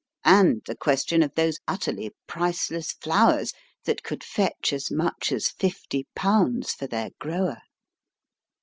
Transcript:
And the question of those utterly priceless flowers that could fetch as much as fifty pounds for their grower.